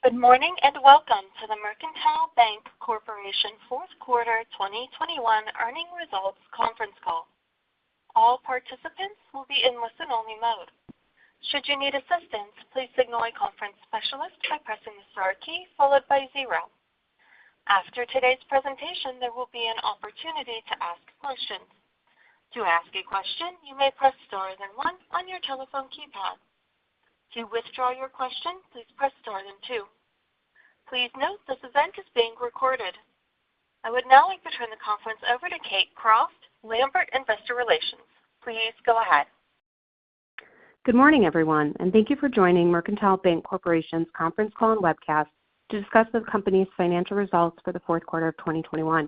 Good morning, and welcome to the Mercantile Bank Corporation fourth quarter 2021 earnings results conference call. All participants will be in listen-only mode. Should you need assistance, please signal a conference specialist by pressing the star key followed by zero. After today's presentation, there will be an opportunity to ask questions. To ask a question, you may press star then one on your telephone keypad. To withdraw your question, please press star then two. Please note this event is being recorded. I would now like to turn the conference over to Kate Croft, Lambert Investor Relations. Please go ahead. Good morning, everyone, and thank you for joining Mercantile Bank Corporation's conference call and webcast to discuss the company's financial results for the fourth quarter of 2021.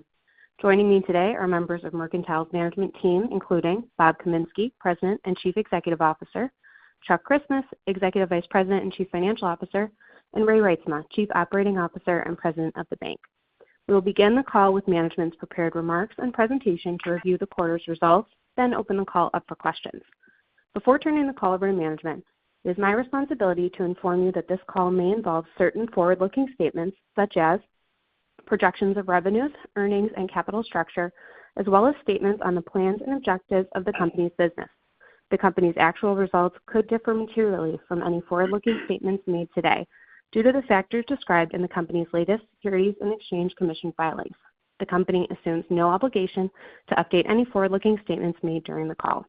Joining me today are members of Mercantile's management team, including Bob Kaminski, President and Chief Executive Officer, Chuck Christmas, Executive Vice President and Chief Financial Officer, and Ray Reitsma, Chief Operating Officer and President of the bank. We will begin the call with management's prepared remarks and presentation to review the quarter's results, then open the call up for questions. Before turning the call over to management, it is my responsibility to inform you that this call may involve certain forward-looking statements such as projections of revenues, earnings, and capital structure, as well as statements on the plans and objectives of the company's business. The company's actual results could differ materially from any forward-looking statements made today due to the factors described in the company's latest Securities and Exchange Commission filings. The company assumes no obligation to update any forward-looking statements made during the call.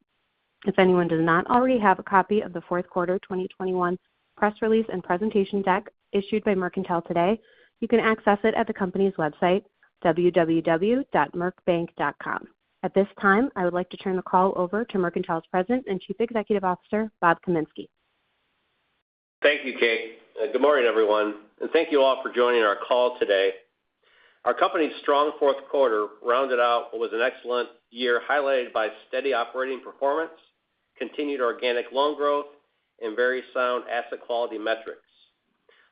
If anyone does not already have a copy of the fourth quarter 2021 press release and presentation deck issued by Mercantile today, you can access it at the company's website, www.mercbank.com. At this time, I would like to turn the call over to Mercantile's President and Chief Executive Officer, Bob Kaminski. Thank you, Kate. Good morning, everyone, and thank you all for joining our call today. Our company's strong fourth quarter rounded out what was an excellent year highlighted by steady operating performance, continued organic loan growth, and very sound asset quality metrics.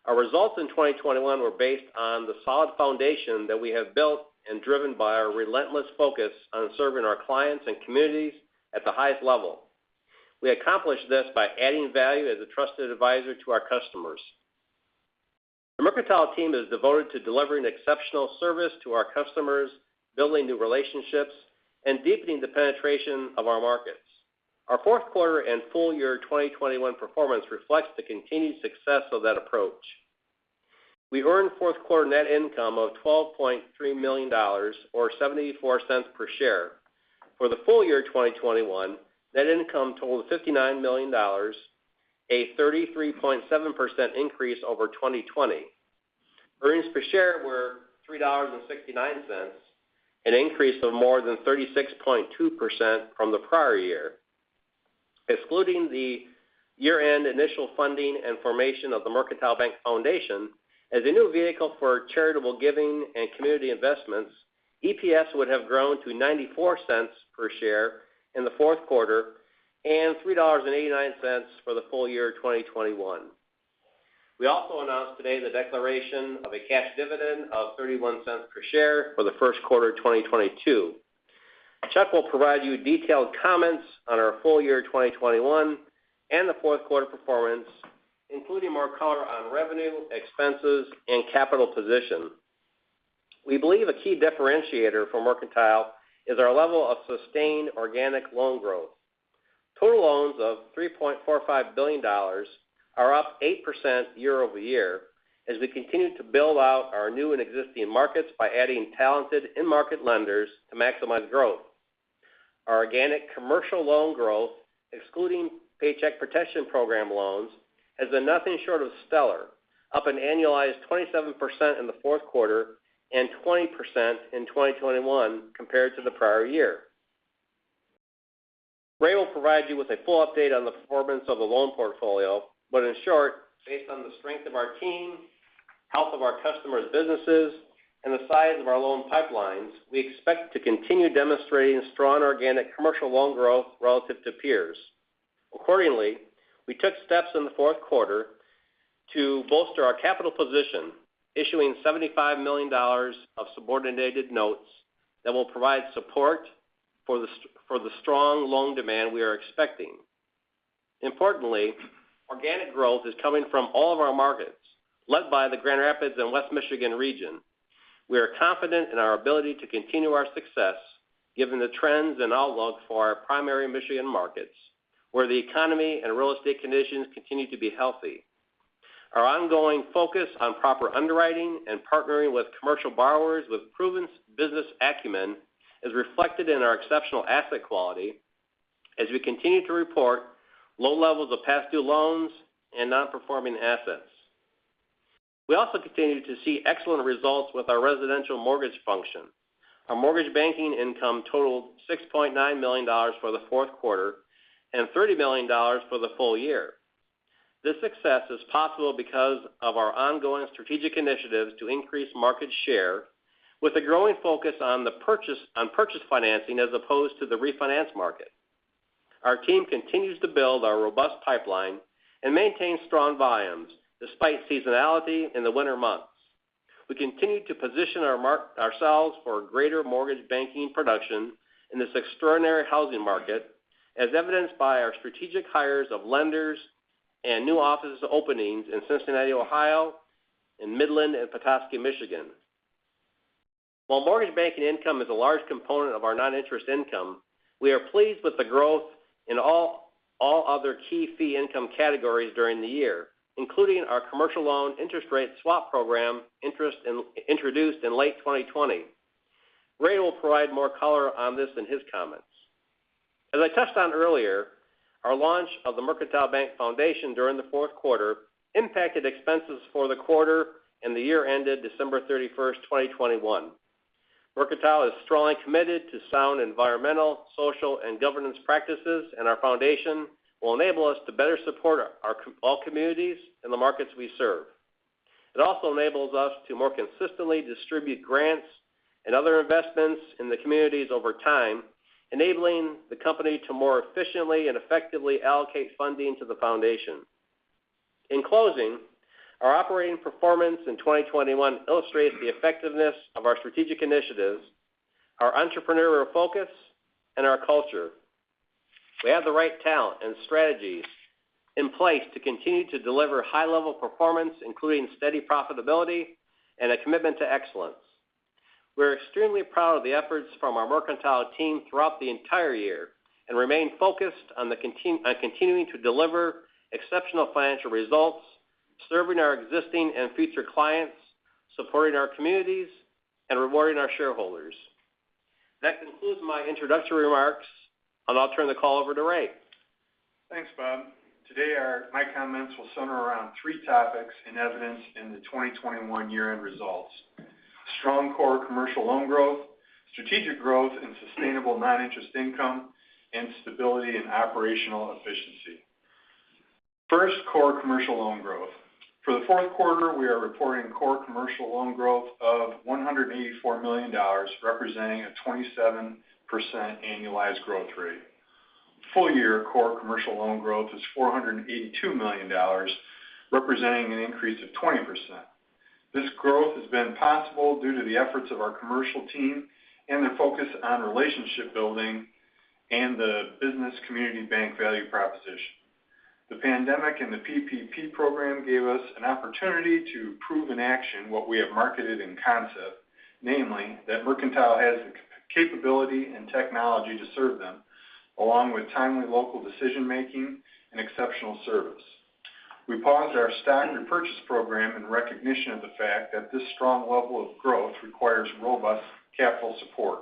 Our results in 2021 were based on the solid foundation that we have built and driven by our relentless focus on serving our clients and communities at the highest level. We accomplished this by adding value as a trusted advisor to our customers. The Mercantile team is devoted to delivering exceptional service to our customers, building new relationships, and deepening the penetration of our markets. Our fourth quarter and full year 2021 performance reflects the continued success of that approach. We earned fourth quarter net income of $12.3 million or $0.74 per share. For the full year 2021, net income totaled $59 million, a 33.7% increase over 2020. Earnings per share were $3.69, an increase of more than 36.2% from the prior year. Excluding the year-end initial funding and formation of the Mercantile Bank Foundation as a new vehicle for charitable giving and community investments, EPS would have grown to $0.94 per share in the fourth quarter and $3.89 for the full year 2021. We also announced today the declaration of a cash dividend of $0.31 per share for the first quarter 2022. Chuck will provide you detailed comments on our full year 2021 and the fourth quarter performance, including more color on revenue, expenses, and capital position. We believe a key differentiator for Mercantile is our level of sustained organic loan growth. Total loans of $3.45 billion are up 8% year-over-year as we continue to build out our new and existing markets by adding talented in-market lenders to maximize growth. Our organic commercial loan growth, excluding Paycheck Protection Program loans, has been nothing short of stellar, up an annualized 27% in the fourth quarter and 20% in 2021 compared to the prior year. Ray will provide you with a full update on the performance of the loan portfolio, but in short, based on the strength of our team, health of our customers' businesses, and the size of our loan pipelines. We expect to continue demonstrating strong organic commercial loan growth relative to peers. Accordingly, we took steps in the fourth quarter to bolster our capital position, issuing $75 million of subordinated notes that will provide support for the strong loan demand we are expecting. Importantly, organic growth is coming from all of our markets, led by the Grand Rapids and West Michigan region. We are confident in our ability to continue our success given the trends and outlook for our primary Michigan markets, where the economy and real estate conditions continue to be healthy. Our ongoing focus on proper underwriting and partnering with commercial borrowers with proven business acumen is reflected in our exceptional asset quality as we continue to report low levels of past due loans and non-performing assets. We also continue to see excellent results with our residential mortgage function. Our mortgage banking income totaled $6.9 million for the fourth quarter and $30 million for the full year. This success is possible because of our ongoing strategic initiatives to increase market share with a growing focus on the purchase financing as opposed to the refinance market. Our team continues to build our robust pipeline and maintain strong volumes despite seasonality in the winter months. We continue to position ourselves for greater mortgage banking production in this extraordinary housing market, as evidenced by our strategic hires of lenders and new office openings in Cincinnati, Ohio, and Midland and Petoskey, Michigan. While mortgage banking income is a large component of our non-interest income, we are pleased with the growth in all other key fee income categories during the year, including our commercial loan interest rate swap program introduced in late 2020. Ray will provide more color on this in his comments. As I touched on earlier, our launch of the Mercantile Bank Foundation during the fourth quarter impacted expenses for the quarter and the year ended December 31st, 2021. Mercantile is strongly committed to sound environmental, social, and governance practices, and our foundation will enable us to better support all communities and the markets we serve. It also enables us to more consistently distribute grants and other investments in the communities over time, enabling the company to more efficiently and effectively allocate funding to the foundation. In closing, our operating performance in 2021 illustrates the effectiveness of our strategic initiatives, our entrepreneurial focus, and our culture. We have the right talent and strategies in place to continue to deliver high-level performance, including steady profitability and a commitment to excellence. We're extremely proud of the efforts from our Mercantile team throughout the entire year, and remain focused on continuing to deliver exceptional financial results, serving our existing and future clients, supporting our communities, and rewarding our shareholders. That concludes my introductory remarks, and I'll turn the call over to Ray. Thanks, Bob. Today, my comments will center around three topics in evidence in the 2021 year-end results. Strong core commercial loan growth, strategic growth and sustainable non-interest income, and stability and operational efficiency. First, core commercial loan growth. For the fourth quarter, we are reporting core commercial loan growth of $184 million, representing a 27% annualized growth rate. Full-year core commercial loan growth is $482 million, representing an increase of 20%. This growth has been possible due to the efforts of our commercial team and their focus on relationship building and the business community bank value proposition. The pandemic and the PPP program gave us an opportunity to prove in action what we have marketed in concept, namely, that Mercantile has the capability and technology to serve them, along with timely local decision-making and exceptional service. We paused our stock repurchase program in recognition of the fact that this strong level of growth requires robust capital support.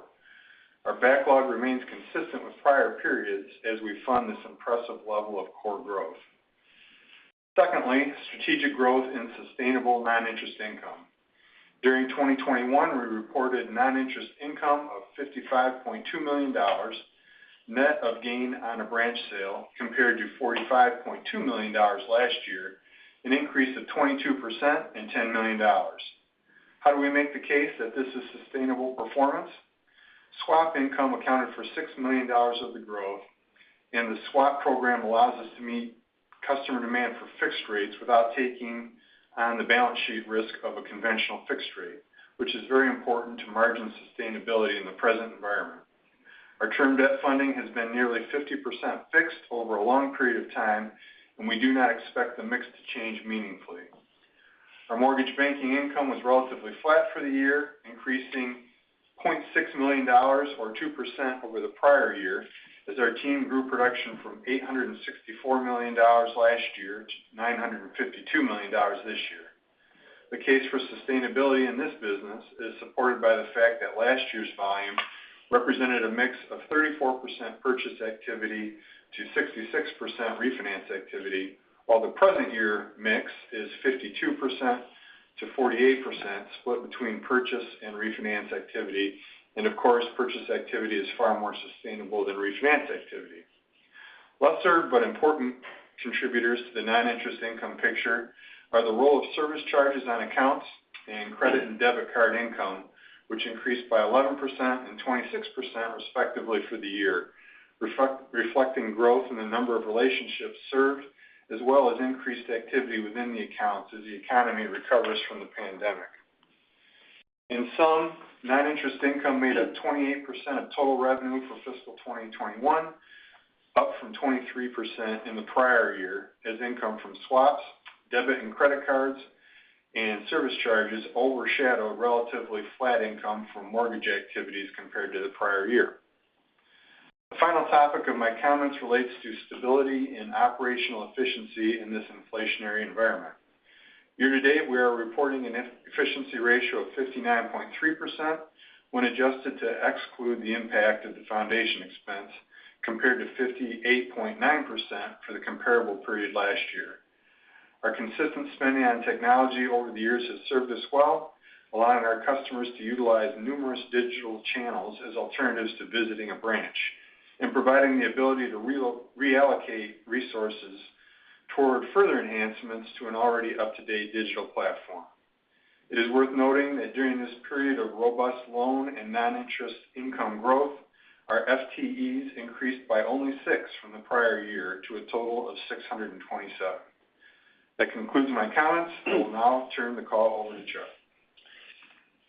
Our backlog remains consistent with prior periods as we fund this impressive level of core growth. Secondly, strategic growth and sustainable non-interest income. During 2021, we reported non-interest income of $55.2 million, net of gain on a branch sale, compared to $45.2 million last year, an increase of 22% and $10 million. How do we make the case that this is sustainable performance? Swap income accounted for $6 million of the growth, and the swap program allows us to meet customer demand for fixed rates without taking on the balance sheet risk of a conventional fixed rate, which is very important to margin sustainability in the present environment. Our term debt funding has been nearly 50% fixed over a long period of time, and we do not expect the mix to change meaningfully. Our mortgage banking income was relatively flat for the year, increasing $0.6 million or 2% over the prior year, as our team grew production from $864 million last year to $952 million this year. The case for sustainability in this business is supported by the fact that last year's volume represented a mix of 34% purchase activity to 66% refinance activity, while the present year mix is 52% to 48% split between purchase and refinance activity. Of course, purchase activity is far more sustainable than refinance activity. Lesser but important contributors to the non-interest income picture are the role of service charges on accounts and credit and debit card income, which increased by 11% and 26% respectively for the year, reflecting growth in the number of relationships served, as well as increased activity within the accounts as the economy recovers from the pandemic. In sum, non-interest income made up 28% of total revenue for fiscal 2021, up from 23% in the prior year, as income from swaps, debit and credit cards, and service charges overshadowed relatively flat income from mortgage activities compared to the prior year. The final topic of my comments relates to stability and operational efficiency in this inflationary environment. Year to date, we are reporting an efficiency ratio of 59.3% when adjusted to exclude the impact of the foundation expense, compared to 58.9% for the comparable period last year. Our consistent spending on technology over the years has served us well, allowing our customers to utilize numerous digital channels as alternatives to visiting a branch and providing the ability to reallocate resources toward further enhancements to an already up-to-date digital platform. It is worth noting that during this period of robust loan and non-interest income growth. Our FTEs increased by only 6 from the prior year to a total of 627. That concludes my comments. I will now turn the call over to Chuck.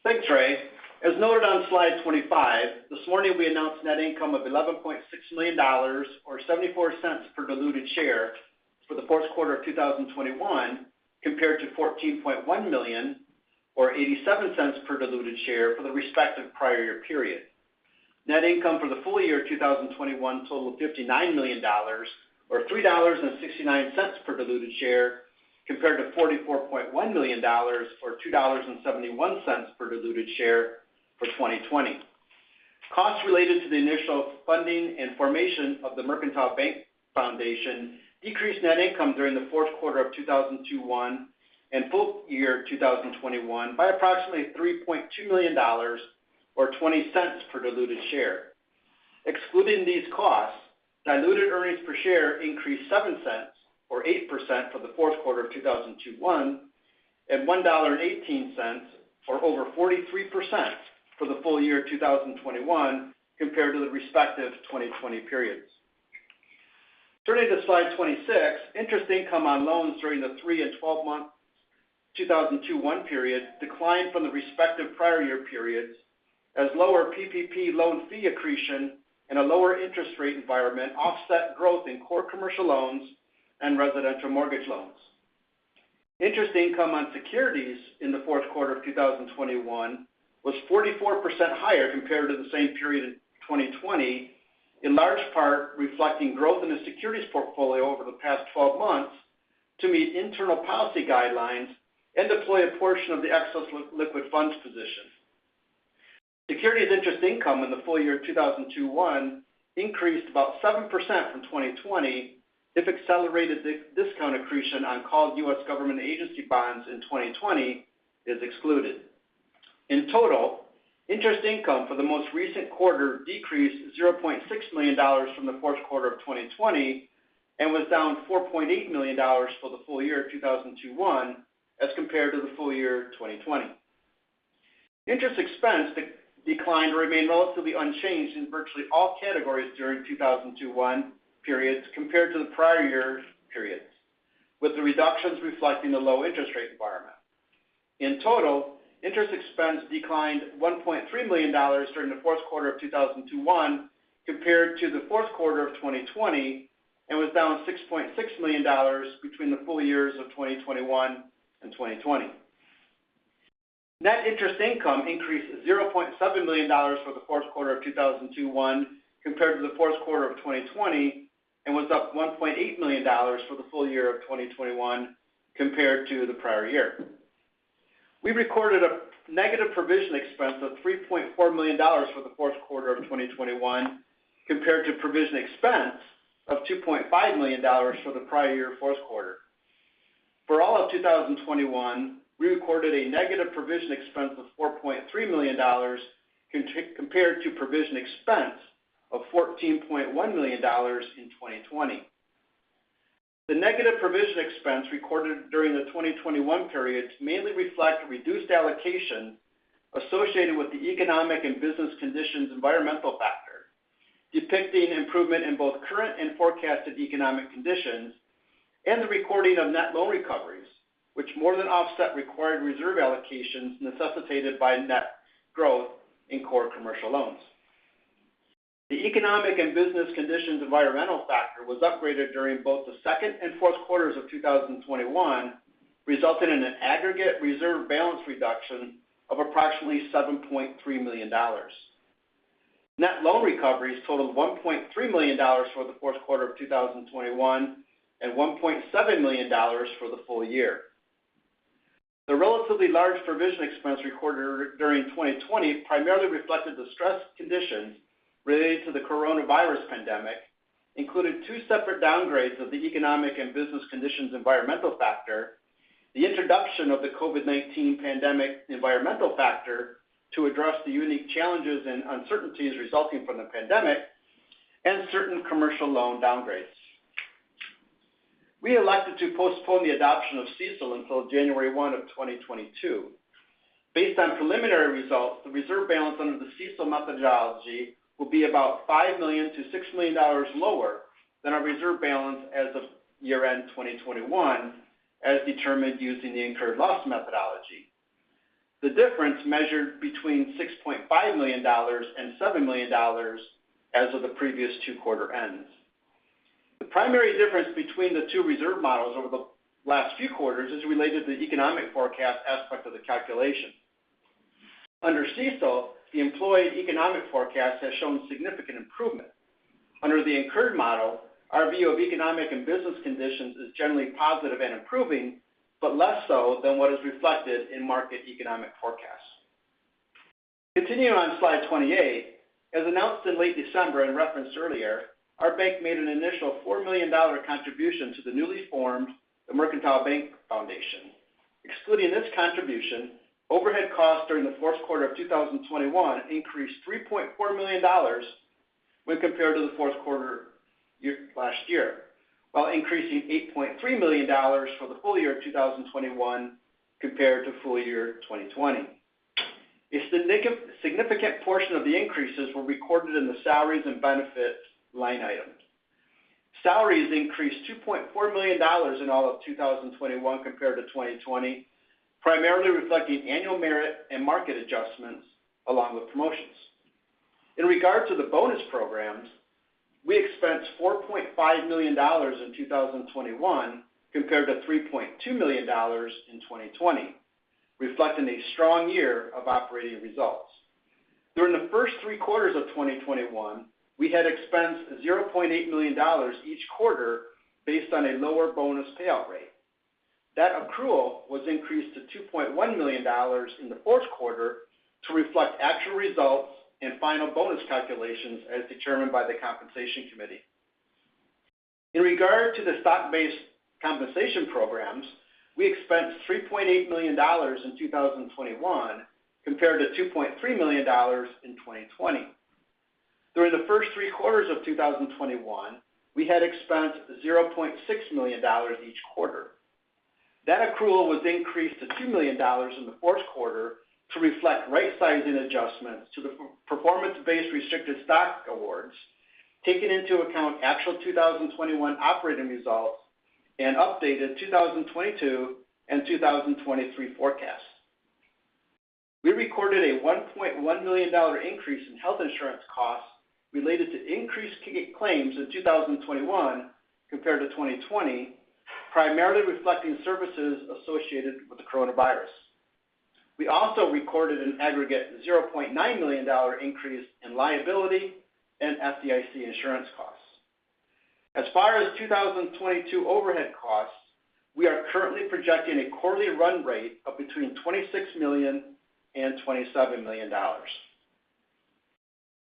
Thanks, Ray. As noted on slide 25, this morning we announced net income of $11.6 million or $0.74 per diluted share for the fourth quarter of 2021, compared to $14.1 million or $0.87 per diluted share for the respective prior year period. Net income for the full year 2021 totaled $59 million or $3.69 per diluted share compared to $44.1 million or $2.71 per diluted share for 2020. Costs related to the initial funding and formation of the Mercantile Bank Foundation decreased net income during the fourth quarter of 2021 and full year 2021 by approximately $3.2 million or $0.20 per diluted share. Excluding these costs, diluted earnings per share increased $0.07 or 8% for the fourth quarter of 2021 and $1.18 or over 43% for the full year 2021 compared to the respective 2020 periods. Turning to slide 26, interest income on loans during the three- and 12-month 2021 period declined from the respective prior year periods as lower PPP loan fee accretion and a lower interest rate environment offset growth in core commercial loans and residential mortgage loans. Interest income on securities in the fourth quarter of 2021 was 44% higher compared to the same period in 2020, in large part reflecting growth in the securities portfolio over the past 12 months to meet internal policy guidelines and deploy a portion of the excess liquid funds position. Securities interest income in the full year 2021 increased about 7% from 2020 if accelerated discount accretion on called U.S. government agency bonds in 2020 is excluded. In total, interest income for the most recent quarter decreased $0.6 million from the fourth quarter of 2020 and was down $4.8 million for the full year of 2021 as compared to the full year of 2020. Interest expense declined remained relatively unchanged in virtually all categories during 2021 periods compared to the prior year's periods, with the reductions reflecting the low interest rate environment. In total, interest expense declined $1.3 million during the fourth quarter of 2021 compared to the fourth quarter of 2020 and was down $6.6 million between the full years of 2021 and 2020. Net interest income increased $0.7 million for the fourth quarter of 2021 compared to the fourth quarter of 2020 and was up $1.8 million for the full year of 2021 compared to the prior year. We recorded a negative provision expense of $3.4 million for the fourth quarter of 2021 compared to provision expense of $2.5 million for the prior year fourth quarter. For all of 2021, we recorded a negative provision expense of $4.3 million compared to provision expense of $14.1 million in 2020. The negative provision expense recorded during the 2021 periods mainly reflect reduced allocation associated with the economic and business conditions environmental factor, depicting improvement in both current and forecasted economic conditions and the recording of net loan recoveries, which more than offset required reserve allocations necessitated by net growth in core commercial loans. The economic and business conditions environmental factor was upgraded during both the second and fourth quarters of 2021, resulting in an aggregate reserve balance reduction of approximately $7.3 million. Net loan recoveries totaled $1.3 million for the fourth quarter of 2021 and $1.7 million for the full year. The relatively large provision expense recorded during 2020 primarily reflected the stress conditions related to the coronavirus pandemic, including two separate downgrades of the economic and business conditions environmental factor, the introduction of the COVID-19 pandemic environmental factor to address the unique challenges and uncertainties resulting from the pandemic, and certain commercial loan downgrades. We elected to postpone the adoption of CECL until January 1, 2022. Based on preliminary results, the reserve balance under the CECL methodology will be about $5 million-$6 million lower than our reserve balance as of year-end 2021, as determined using the incurred loss methodology. The difference measured between $6.5 million and $7 million as of the previous two quarter ends. The primary difference between the two reserve models over the last few quarters is related to the economic forecast aspect of the calculation. Under CECL, the employed economic forecast has shown significant improvement. Under the incurred model, our view of economic and business conditions is generally positive and improving, but less so than what is reflected in market economic forecasts. Continuing on slide 28, as announced in late December and referenced earlier, our bank made an initial $4 million contribution to the newly formed The Mercantile Bank Foundation. Excluding this contribution, overhead costs during the fourth quarter of 2021 increased $3.4 million when compared to the fourth quarter of last year, while increasing $8.3 million for the full year of 2021 compared to full year 2020. A significant portion of the increases were recorded in the salaries and benefits line items. Salaries increased $2.4 million in all of 2021 compared to 2020, primarily reflecting annual merit and market adjustments along with promotions. In regard to the bonus programs, we expensed $4.5 million in 2021 compared to $3.2 million in 2020, reflecting a strong year of operating results. During the first three quarters of 2021, we had expensed $0.8 million each quarter based on a lower bonus payout rate. That accrual was increased to $2.1 million in the fourth quarter to reflect actual results and final bonus calculations as determined by the compensation committee. In regard to the stock-based compensation programs, we expensed $3.8 million in 2021 compared to $2.3 million in 2020. During the first three quarters of 2021, we had expensed $0.6 million each quarter. That accrual was increased to $2 million in the fourth quarter to reflect right-sizing adjustments to the performance-based restricted stock awards, taking into account actual 2021 operating results and updated 2022 and 2023 forecasts. We recorded a $1.1 million increase in health insurance costs related to increased claims in 2021 compared to 2020, primarily reflecting services associated with the coronavirus. We also recorded an aggregate $0.9 million increase in liability and FDIC insurance costs. As far as 2022 overhead costs, we are currently projecting a quarterly run rate of between $26 million and $27 million.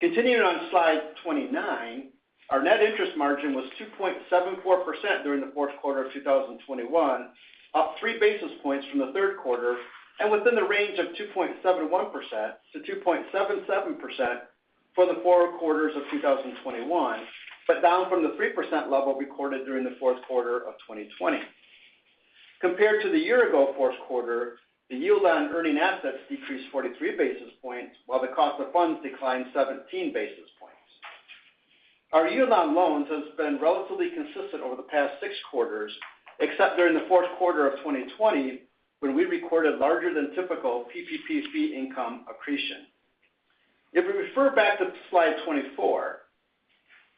Continuing on slide 29, our net interest margin was 2.74% during the fourth quarter of 2021, up 3 basis points from the third quarter and within the range of 2.71%-2.77% for the four quarters of 2021, but down from the 3% level recorded during the fourth quarter of 2020. Compared to the year-ago fourth quarter, the yield on earning assets decreased 43 basis points while the cost of funds declined 17 basis points. Our yield on loans has been relatively consistent over the past six quarters, except during the fourth quarter of 2020 when we recorded larger than typical PPP fee income accretion. If we refer back to slide 24,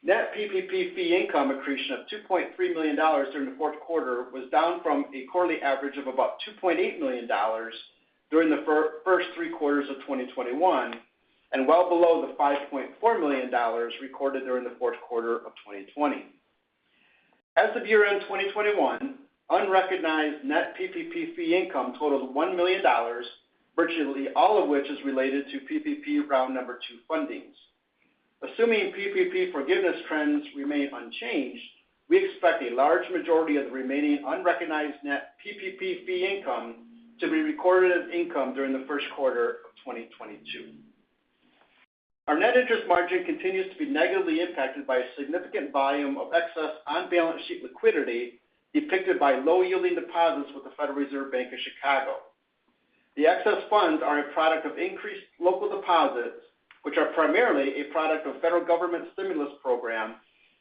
net PPP fee income accretion of $2.3 million during the fourth quarter was down from a quarterly average of about $2.8 million during the first three quarters of 2021 and well below the $5.4 million recorded during the fourth quarter of 2020. As of year-end 2021, unrecognized net PPP fee income totaled $1 million, virtually all of which is related to PPP round 2 fundings. Assuming PPP forgiveness trends remain unchanged, we expect a large majority of the remaining unrecognized net PPP fee income to be recorded as income during the first quarter of 2022. Our net interest margin continues to be negatively impacted by a significant volume of excess on-balance sheet liquidity depicted by low-yielding deposits with the Federal Reserve Bank of Chicago. The excess funds are a product of increased local deposits, which are primarily a product of federal government stimulus program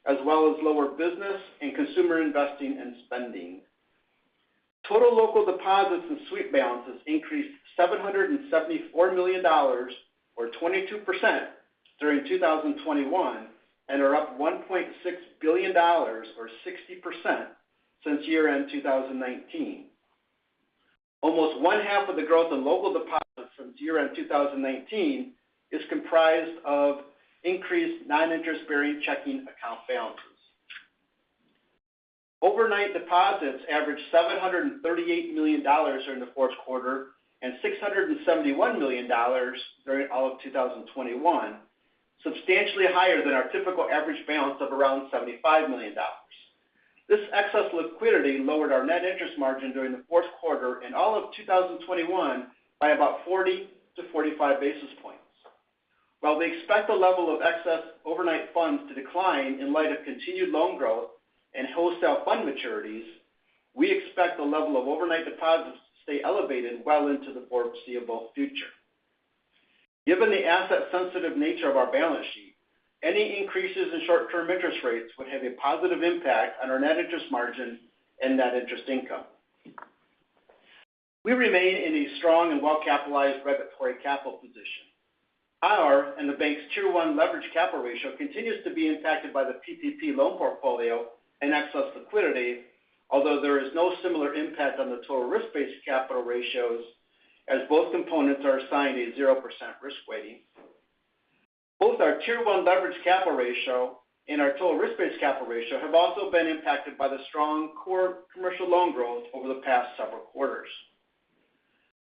as well as lower business and consumer investing and spending. Total local deposits and sweep balances increased $774 million or 22% during 2021 and are up $1.6 billion or 60% since year-end 2019. Almost one half of the growth in local deposits from year-end 2019 is comprised of increased non-interest-bearing checking account balances. Overnight deposits averaged $738 million during the fourth quarter and $671 million during all of 2021, substantially higher than our typical average balance of around $75 million. This excess liquidity lowered our net interest margin during the fourth quarter in all of 2021 by about 40-45 basis points. While we expect the level of excess overnight funds to decline in light of continued loan growth and wholesale fund maturities, we expect the level of overnight deposits to stay elevated well into the foreseeable future. Given the asset-sensitive nature of our balance sheet, any increases in short-term interest rates would have a positive impact on our net interest margin and net interest income. We remain in a strong and well-capitalized regulatory capital position. Our and the bank's Tier 1 leverage capital ratio continues to be impacted by the PPP loan portfolio and excess liquidity, although there is no similar impact on the total risk-based capital ratios as both components are assigned a 0% risk weighting. Both our Tier 1 leverage capital ratio and our total risk-based capital ratio have also been impacted by the strong core commercial loan growth over the past several quarters.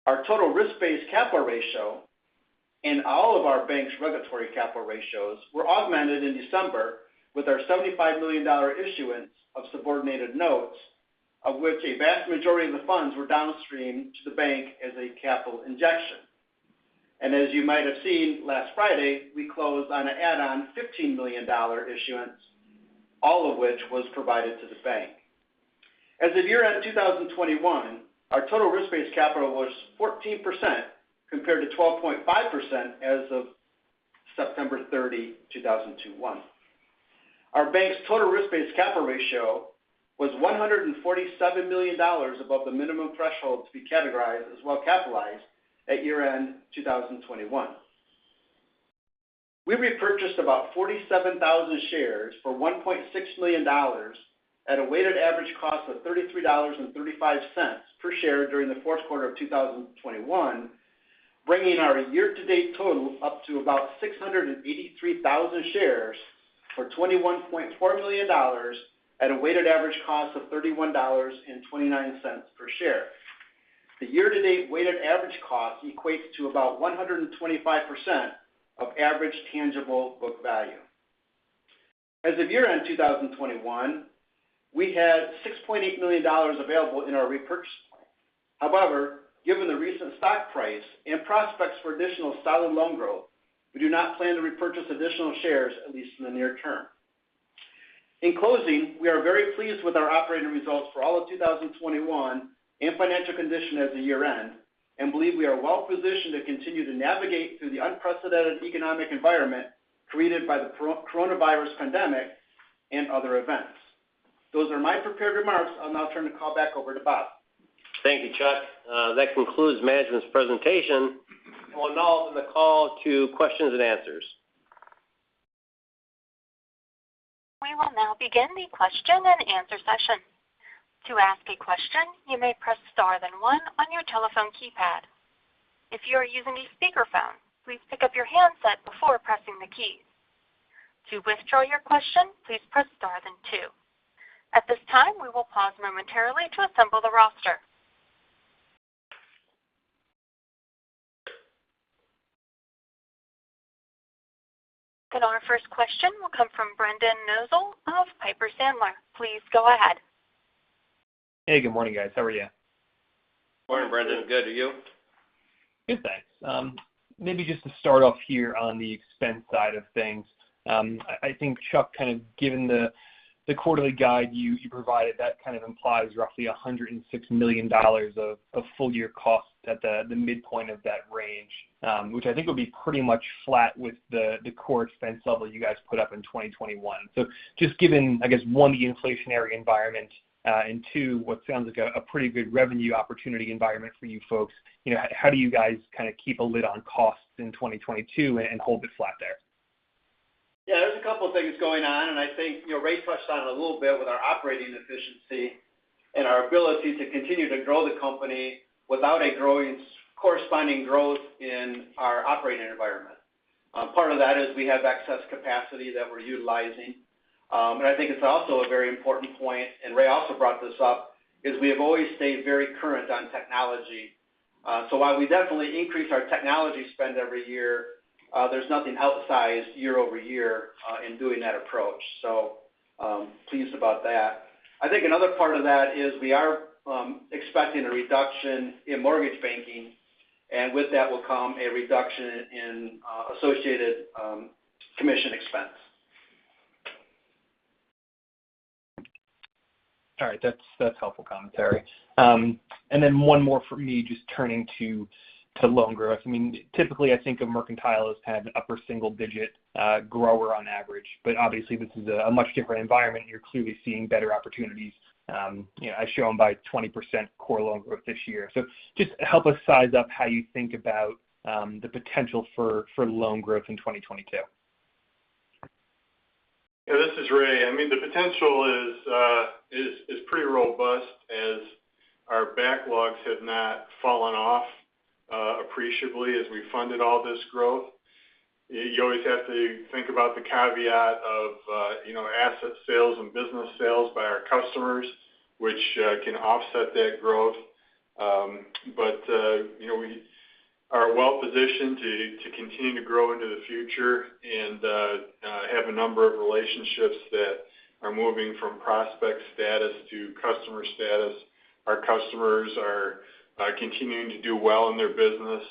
Our total risk-based capital ratio and all of our bank's regulatory capital ratios were augmented in December with our $75 million issuance of subordinated notes, of which a vast majority of the funds were downstreamed to the bank as a capital injection. As you might have seen last Friday, we closed on an add-on $15 million issuance, all of which was provided to the bank. As of year-end 2021, our total risk-based capital was 14% compared to 12.5% as of September 30, 2021. Our bank's total risk-based capital ratio was $147 million above the minimum threshold to be categorized as well capitalized at year-end 2021. We repurchased about 47,000 shares for $1.6 million at a weighted average cost of $33.35 per share during the fourth quarter of 2021, bringing our year-to-date total up to about 683,000 shares for $21.4 million at a weighted average cost of $31.29 per share. The year-to-date weighted average cost equates to about 125% of average tangible book value. As of year-end 2021, we had $6.8 million available in our repurchase. However, given the recent stock price and prospects for additional solid loan growth, we do not plan to repurchase additional shares, at least in the near term. In closing, we are very pleased with our operating results for all of 2021 and financial condition at the year-end, and believe we are well positioned to continue to navigate through the unprecedented economic environment created by the coronavirus pandemic and other events. Those are my prepared remarks. I'll now turn the call back over to Bob. Thank you, Chuck. That concludes management's presentation. We'll now open the call to questions and answers. We will now begin the question and answer session. To ask a question, you may press star then one on your telephone keypad. If you are using a speakerphone, please pick up your handset before pressing the key. To withdraw your question, please press star then two. At this time, we will pause momentarily to assemble the roster. Our first question will come from Brendan Nosal of Piper Sandler. Please go ahead. Hey, good morning, guys. How are you? Morning, Brendan. Good. And you? Good, thanks. Maybe just to start off here on the expense side of things. I think, Chuck, given the quarterly guide you provided, that kind of implies roughly $106 million of full year costs at the midpoint of that range, which I think will be pretty much flat with the core expense level you guys put up in 2021. Just given, I guess, one, the inflationary environment, and two, what sounds like a pretty good revenue opportunity environment for you folks, you know, how do you guys kind of keep a lid on costs in 2022 and hold it flat there? Yeah, there's a couple things going on, and I think, you know, Ray touched on it a little bit with our operating efficiency and our ability to continue to grow the company without corresponding growth in our operating environment. Part of that is we have excess capacity that we're utilizing. And I think it's also a very important point, and Ray also brought this up, is we have always stayed very current on technology. So while we definitely increase our technology spend every year, there's nothing outsized year over year in doing that approach, so pleased about that. I think another part of that is we are expecting a reduction in mortgage banking, and with that will come a reduction in associated commission expense. All right. That's helpful commentary. One more from me just turning to loan growth. I mean, typically, I think of Mercantile as kind of an upper single digit grower on average, but obviously, this is a much different environment. You're clearly seeing better opportunities, you know, as shown by 20% core loan growth this year. Just help us size up how you think about the potential for loan growth in 2022. Yeah, this is Ray. I mean, the potential is pretty robust as our backlogs have not fallen off appreciably as we funded all this growth. You always have to think about the caveat of, you know, asset sales and business sales by our customers, which can offset that growth. You know, we are well-positioned to continue to grow into the future and have a number of relationships that are moving from prospect status to customer status. Our customers are continuing to do well in their business.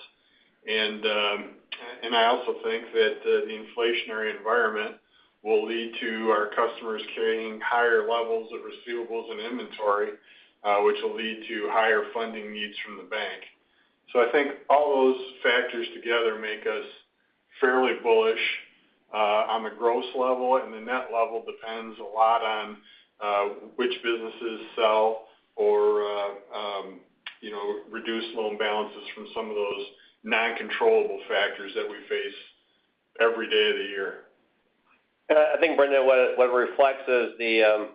I also think that the inflationary environment will lead to our customers carrying higher levels of receivables and inventory, which will lead to higher funding needs from the bank. I think all those factors together make us fairly bullish on the gross level, and the net level depends a lot on which businesses sell or, you know, reduce loan balances from some of those non-controllable factors that we face every day of the year. I think, Brendan, what it reflects is the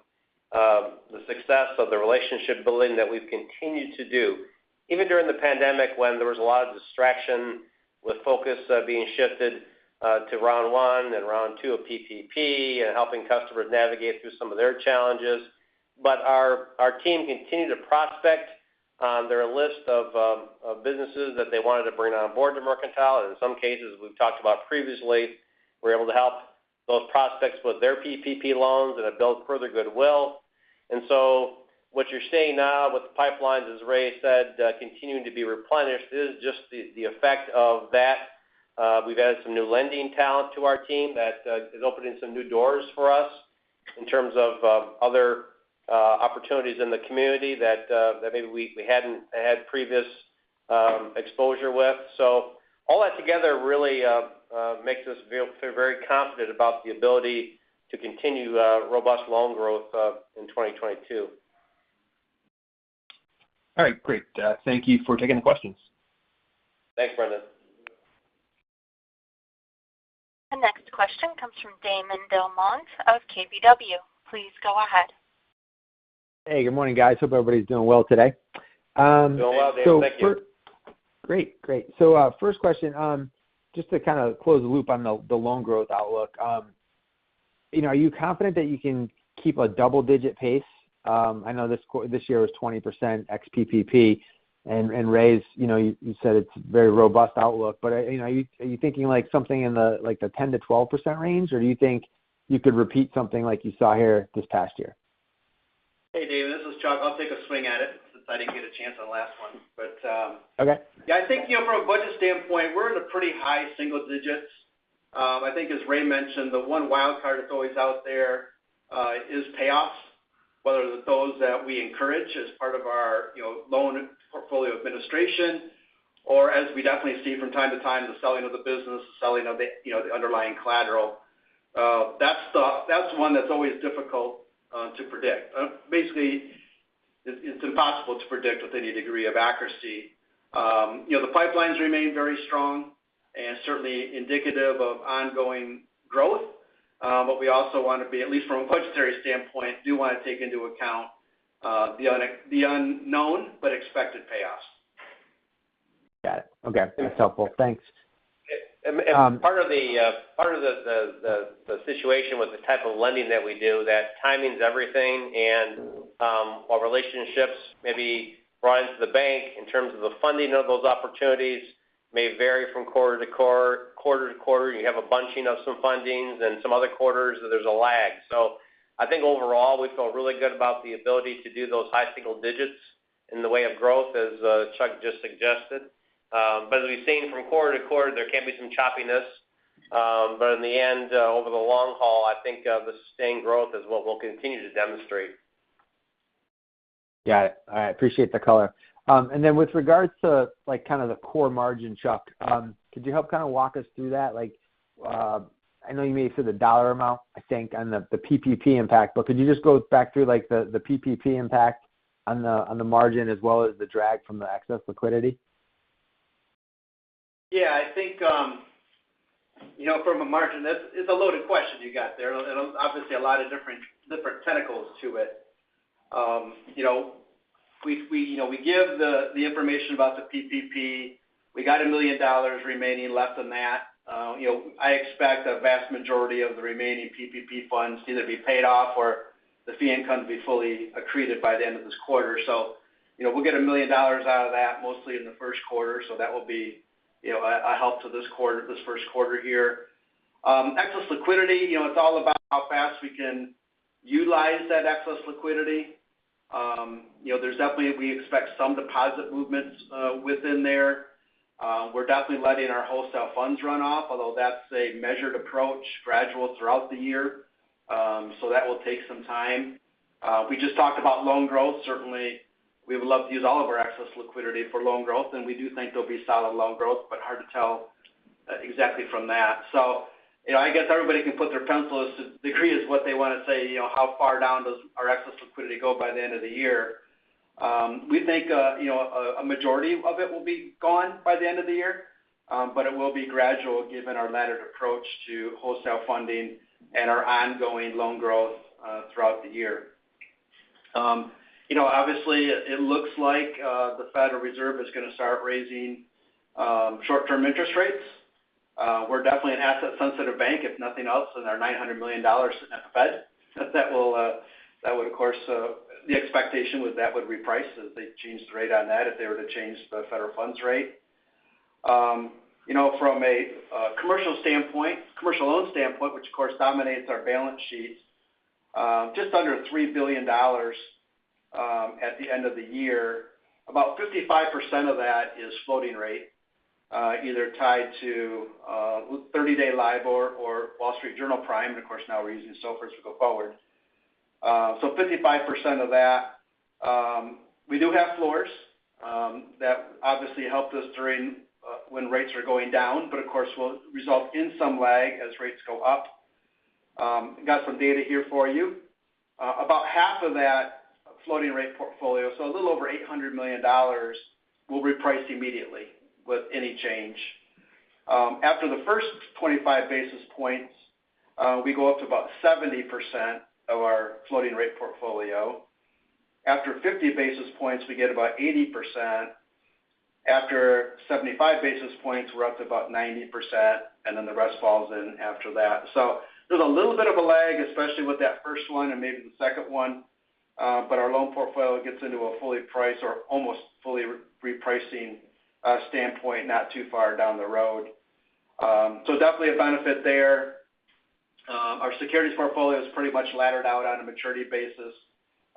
success of the relationship building that we've continued to do. Even during the pandemic when there was a lot of distraction with focus being shifted to round one and round two of PPP and helping customers navigate through some of their challenges. Our team continued to prospect their list of businesses that they wanted to bring on board to Mercantile. In some cases we've talked about previously, we were able to help those prospects with their PPP loans and have built further goodwill. What you're seeing now with the pipelines, as Ray said, continuing to be replenished is just the effect of that. We've added some new lending talent to our team that is opening some new doors for us in terms of other opportunities in the community that maybe we hadn't had previous exposure with. All that together really makes us feel very confident about the ability to continue robust loan growth in 2022. All right, great. Thank you for taking the questions. Thanks, Brendan. The next question comes from Damon DelMonte of KBW. Please go ahead. Hey, good morning, guys. Hope everybody's doing well today. Doing well, Damon. Thank you. Great. First question, just to kind of close the loop on the loan growth outlook. You know, are you confident that you can keep a double-digit pace? I know this year was 20% ex PPP and Ray's, you know, you said it's very robust outlook. You know, are you thinking like something in the, like the 10%-12% range, or do you think you could repeat something like you saw here this past year? Hey, Damon, this is Chuck. I'll take a swing at it since I didn't get a chance on the last one. Okay. Yeah, I think, you know, from a budget standpoint, we're in a pretty high single digits. I think as Ray mentioned, the one wildcard that's always out there is payoffs, whether those that we encourage as part of our, you know, loan portfolio administration, or as we definitely see from time to time, the selling of the business, the selling of the, you know, the underlying collateral. That's one that's always difficult to predict. Basically, it's impossible to predict with any degree of accuracy. You know, the pipelines remain very strong and certainly indicative of ongoing growth. We also want to be, at least from a budgetary standpoint, do want to take into account the unknown but expected payoffs. Got it. Okay. That's helpful. Thanks. Part of the situation with the type of lending that we do that timing's everything and while relationships may be runs the bank in terms of the funding of those opportunities may vary from quarter to quarter. You have a bunching of some fundings and some other quarters that there's a lag. I think overall, we feel really good about the ability to do those high single digits in the way of growth as Chuck just suggested. As we've seen from quarter to quarter, there can be some choppiness. In the end, over the long haul, I think the sustained growth is what we'll continue to demonstrate. Got it. I appreciate the color. With regards to, like, kind of the core margin, Chuck, could you help kind of walk us through that? Like, I know you maybe said the dollar amount, I think, on the PPP impact. Could you just go back through, like, the PPP impact on the margin as well as the drag from the excess liquidity? Yeah, I think, you know, from a margin, that's a loaded question you got there. It'll obviously a lot of different tentacles to it. You know, we give the information about the PPP. We got $1 million remaining, less than that. You know, I expect a vast majority of the remaining PPP funds to either be paid off or the fee income to be fully accreted by the end of this quarter. You know, we'll get $1 million out of that mostly in the first quarter. That will be, you know, a help to this quarter, this first quarter here. Excess liquidity, you know, it's all about how fast we can utilize that excess liquidity. You know, there's definitely we expect some deposit movements within there. We're definitely letting our wholesale funds run off, although that's a measured approach, gradual throughout the year. That will take some time. We just talked about loan growth. Certainly, we would love to use all of our excess liquidity for loan growth, and we do think there'll be solid loan growth, but hard to tell exactly from that. You know, I guess everybody can put their pencils to degree as what they want to say, you know, how far down does our excess liquidity go by the end of the year. We think you know a majority of it will be gone by the end of the year, but it will be gradual given our layered approach to wholesale funding and our ongoing loan growth throughout the year. You know, obviously it looks like the Federal Reserve is gonna start raising short-term interest rates. We're definitely an asset sensitive bank, if nothing else, in our $900 million at the Fed. That will, of course, that would reprice as they changed the rate on that if they were to change the federal funds rate. You know, from a commercial standpoint, commercial loan standpoint, which of course dominates our balance sheets, just under $3 billion at the end of the year. About 55% of that is floating rate, either tied to 30-day LIBOR or Wall Street Journal Prime. Of course, now we're using SOFRs to go forward. 55% of that, we do have floors that obviously helped us during when rates are going down, but of course will result in some lag as rates go up. Got some data here for you. About half of that floating rate portfolio, so a little over $800 million will reprice immediately with any change. After the first 25 basis points, we go up to about 70% of our floating rate portfolio. After 50 basis points, we get about 80%. After 75 basis points, we're up to about 90%, and then the rest falls in after that. There's a little bit of a lag, especially with that first one and maybe the second one. Our loan portfolio gets into a fully priced or almost fully repricing standpoint not too far down the road. Definitely a benefit there. Our securities portfolio is pretty much laddered out on a maturity basis.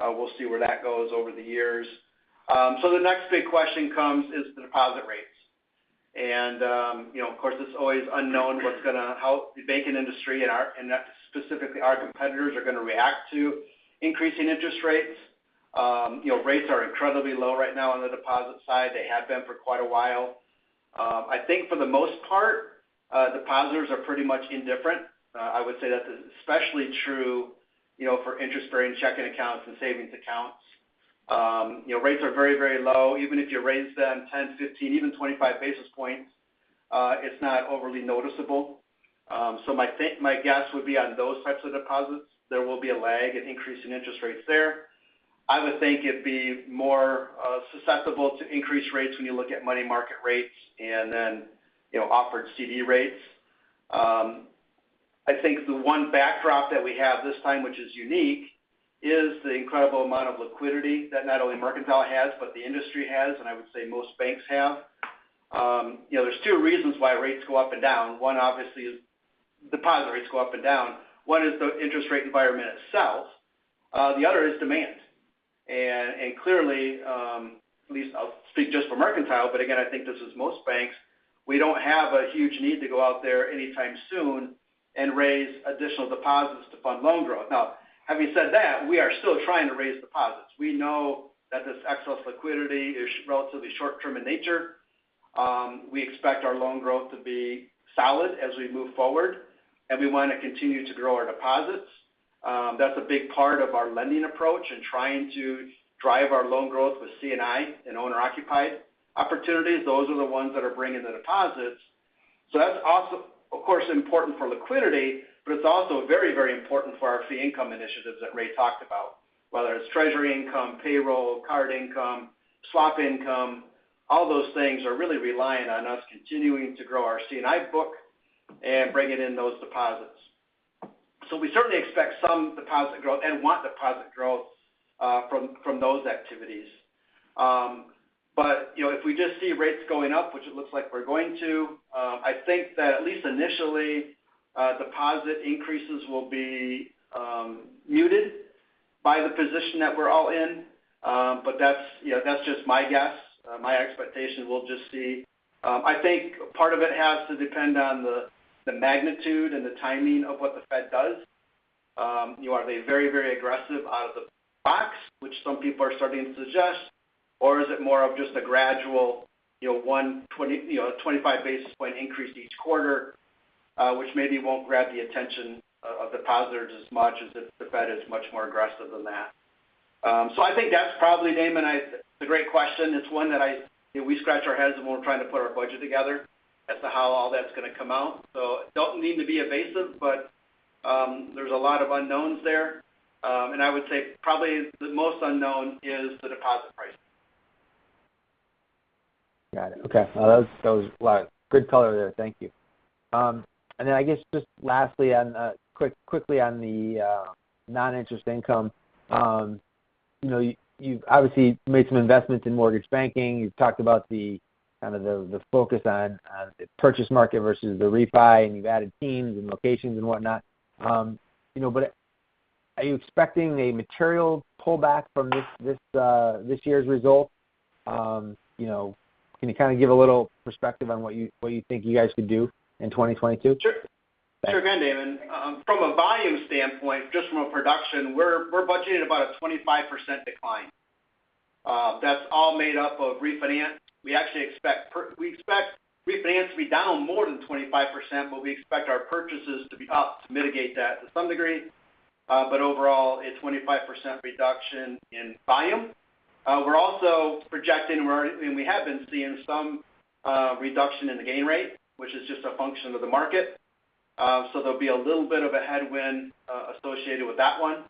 We'll see where that goes over the years. The next big question comes is the deposit rates. You know, of course, it's always unknown how the banking industry and our and specifically our competitors are gonna react to increasing interest rates. You know, rates are incredibly low right now on the deposit side. They have been for quite a while. I think for the most part, depositors are pretty much indifferent. I would say that's especially true, you know, for interest-bearing checking accounts and savings accounts. You know, rates are very, very low. Even if you raise them 10, 15, even 25 basis points, it's not overly noticeable. My guess would be on those types of deposits, there will be a lag in increase in interest rates there. I would think it'd be more susceptible to increased rates when you look at money market rates and then, you know, offered CD rates. I think the one backdrop that we have this time, which is unique, is the incredible amount of liquidity that not only Mercantile has, but the industry has, and I would say most banks have. You know, there's two reasons why rates go up and down. One obviously is deposit rates go up and down. One is the interest rate environment itself. The other is demand. Clearly, at least I'll speak just for Mercantile, but again, I think this is most banks. We don't have a huge need to go out there anytime soon and raise additional deposits to fund loan growth. Now, having said that, we are still trying to raise deposits. We know that this excess liquidity is relatively short term in nature. We expect our loan growth to be solid as we move forward, and we want to continue to grow our deposits. That's a big part of our lending approach and trying to drive our loan growth with C&I and owner-occupied opportunities. Those are the ones that are bringing the deposits. That's also, of course, important for liquidity, but it's also very, very important for our fee income initiatives that Ray talked about, whether it's treasury income, payroll, card income, swap income, all those things are really reliant on us continuing to grow our C&I book and bringing in those deposits. We certainly expect some deposit growth and want deposit growth from those activities. But, you know, if we just see rates going up, which it looks like we're going to, I think that at least initially, deposit increases will be muted by the position that we're all in. But that's, you know, that's just my guess. My expectation, we'll just see. I think part of it has to depend on the magnitude and the timing of what the Fed does. You know, are they very, very aggressive out of the box, which some people are starting to suggest, or is it more of just a gradual, you know, 125 basis point increase each quarter, which maybe won't grab the attention of depositors as much as if the Fed is much more aggressive than that. I think that's probably, Damon, it's a great question. It's one that you know, we scratch our heads when we're trying to put our budget together as to how all that's gonna come out. Don't mean to be evasive, but there's a lot of unknowns there. I would say probably the most unknown is the deposit pricing. Got it. Okay. No, that was a lot. Good color there. Thank you. I guess just lastly, quickly on the non-interest income, you know, you've obviously made some investments in mortgage banking. You've talked about the kind of focus on the purchase market versus the refi, and you've added teams and locations and whatnot. You know, but are you expecting a material pullback from this year's results? You know, can you kind of give a little perspective on what you think you guys could do in 2022? Sure. Thanks. Sure can, Damon. From a volume standpoint, just from a production, we're budgeting about a 25% decline. That's all made up of refinance. We actually expect we expect refinance to be down more than 25%, but we expect our purchases to be up to mitigate that to some degree. But overall, a 25% reduction in volume. We're also projecting, and we have been seeing some reduction in the gain rate, which is just a function of the market. So there'll be a little bit of a headwind associated with that one.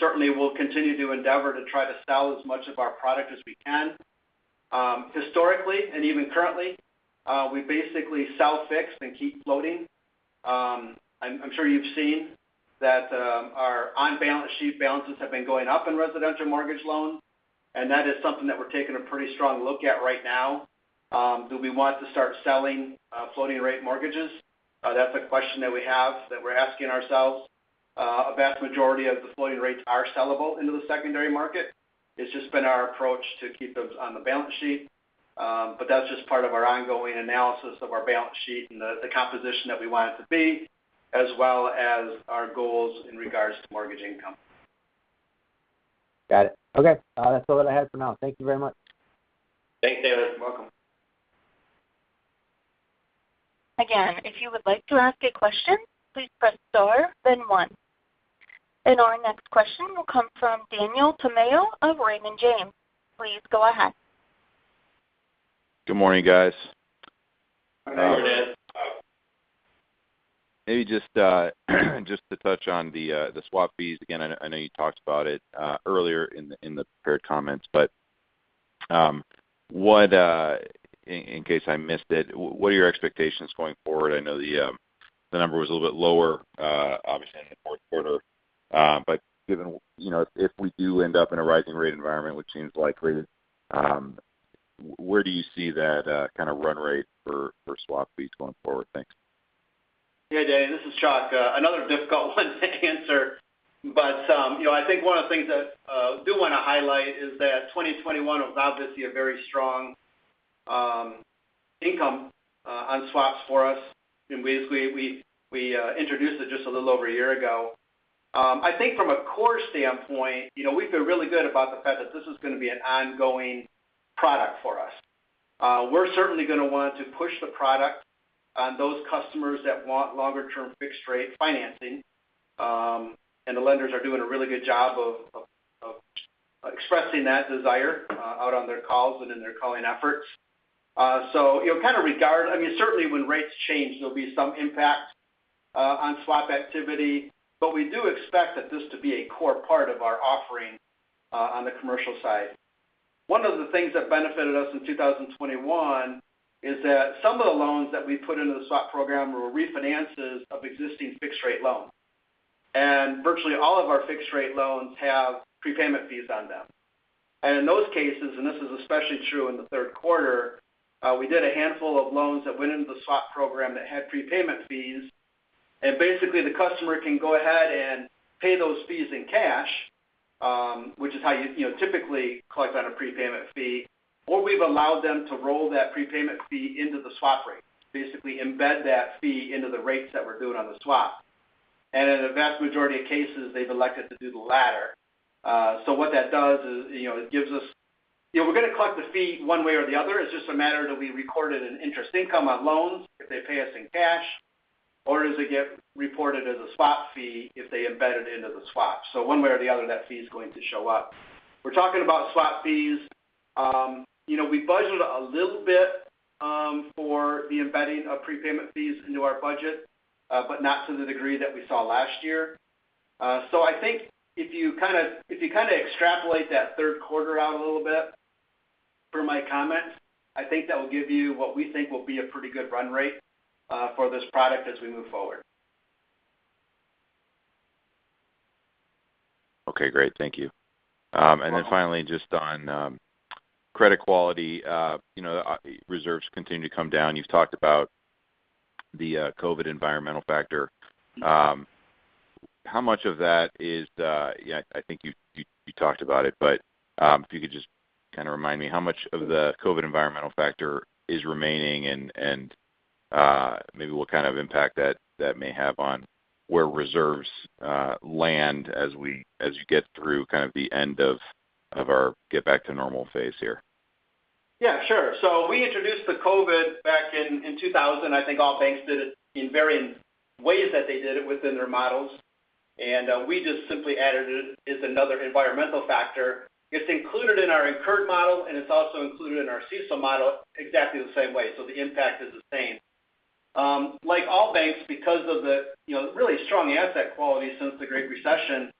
Certainly, we'll continue to endeavor to try to sell as much of our product as we can. Historically, and even currently, we basically sell fixed and keep floating. I'm sure you've seen that our on-balance sheet balances have been going up in residential mortgage loans, and that is something that we're taking a pretty strong look at right now. Do we want to start selling floating rate mortgages? That's a question that we're asking ourselves. A vast majority of the floating rates are sellable into the secondary market. It's just been our approach to keep those on the balance sheet. That's just part of our ongoing analysis of our balance sheet and the composition that we want it to be, as well as our goals in regards to mortgage income. Got it. Okay. That's all that I had for now. Thank you very much. Thanks, Damon. You're welcome. Again, if you would like to ask a question, please press star then one. Our next question will come from Daniel Tamayo of Raymond James. Please go ahead. Good morning, guys. Good morning. Maybe just to touch on the swap fees. Again, I know you talked about it earlier in the prepared comments. What in case I missed it, what are your expectations going forward? I know the number was a little bit lower, obviously in the fourth quarter. Given, you know, if we do end up in a rising rate environment, which seems likely, where do you see that kind of run rate for swap fees going forward? Thanks. Yeah, Dan, this is Chuck. Another difficult one to answer. I think one of the things that I do want to highlight is that 2021 was obviously a very strong income on swaps for us. We introduced it just a little over a year ago. I think from a core standpoint, you know, we feel really good about the fact that this is going to be an ongoing product for us. We're certainly going to want to push the product on those customers that want longer-term fixed rate financing. The lenders are doing a really good job of expressing that desire out on their calls and in their calling efforts. You know, I mean, certainly when rates change, there'll be some impact on swap activity. We do expect that this to be a core part of our offering on the commercial side. One of the things that benefited us in 2021 is that some of the loans that we put into the swap program were refinances of existing fixed rate loans. Virtually all of our fixed rate loans have prepayment fees on them. In those cases, and this is especially true in the third quarter, we did a handful of loans that went into the swap program that had prepayment fees. Basically the customer can go ahead and pay those fees in cash, which is how you know, typically collect on a prepayment fee. We've allowed them to roll that prepayment fee into the swap rate, basically embed that fee into the rates that we're doing on the swap. In the vast majority of cases, they've elected to do the latter. What that does is, you know, it gives us. You know, we're going to collect the fee one way or the other. It's just a matter of do we record it in interest income on loans if they pay us in cash, or does it get reported as a swap fee if they embed it into the swap? One way or the other, that fee is going to show up. If we're talking about swap fees, you know, we budgeted a little bit for the embedding of prepayment fees into our budget, but not to the degree that we saw last year. I think if you kind of extrapolate that third quarter out a little bit per my comments, I think that will give you what we think will be a pretty good run rate for this product as we move forward. Okay, great. Thank you. Finally, just on credit quality, you know, reserves continue to come down. You've talked about the COVID environmental factor. How much of that is—I think you talked about it, but if you could just kind of remind me how much of the COVID environmental factor is remaining and maybe what kind of impact that may have on where reserves land as you get through kind of the end of our get back to normal phase here? Yeah, sure. We introduced the COVID back in 2020. I think all banks did it in varying ways that they did it within their models. We just simply added it as another environmental factor. It's included in our incurred model, and it's also included in our CECL model exactly the same way. The impact is the same. Like all banks, because of you know, the really strong asset quality since the Great Recession,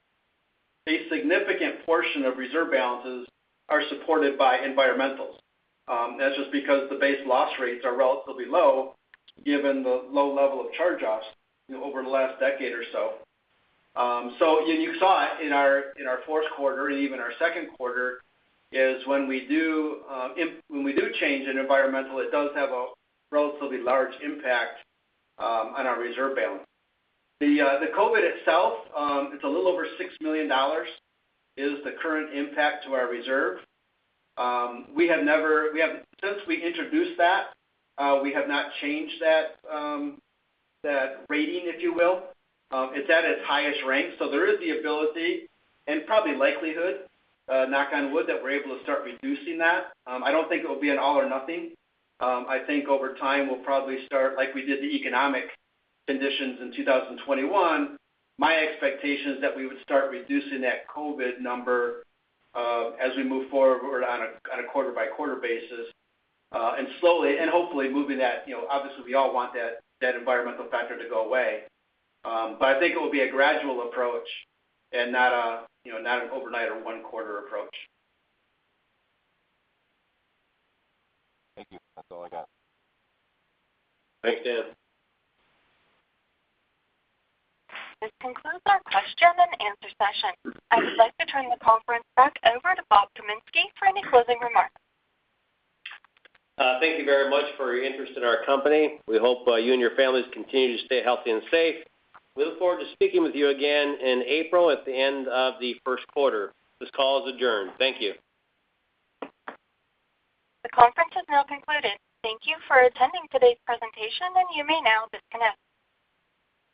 a significant portion of reserve balances are supported by environmentals. That's just because the base loss rates are relatively low given the low level of charge-offs over the last decade or so. You saw it in our fourth quarter and even our second quarter. That is when we do change in environmental. It does have a relatively large impact on our reserve balance. The COVID itself, it's a little over $6 million, is the current impact to our reserve. Since we introduced that, we have not changed that rating, if you will. It's at its highest rank. There is the ability and probably likelihood, knock on wood, that we're able to start reducing that. I don't think it will be an all or nothing. I think over time, we'll probably start like we did the economic conditions in 2021. My expectation is that we would start reducing that COVID number as we move forward on a quarter-by-quarter basis and slowly and hopefully moving that. You know, obviously, we all want that environmental factor to go away. I think it will be a gradual approach and not an overnight or one quarter approach. Thank you. That's all I got. Thanks, Dan. This concludes our question and answer session. I would like to turn the conference back over to Bob Kaminski for any closing remarks. Thank you very much for your interest in our company. We hope you and your families continue to stay healthy and safe. We look forward to speaking with you again in April at the end of the first quarter. This call is adjourned. Thank you. The conference has now concluded. Thank you for attending today's presentation, and you may now disconnect.